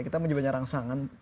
kita menyebabkan rangsangan